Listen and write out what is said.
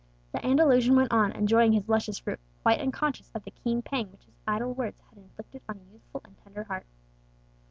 The Andalusian went on, enjoying his luscious fruit, quite unconscious of the keen pang which his idle words had inflicted on a youthful and tender heart.